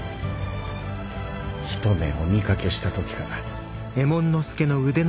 一目お見かけした時から。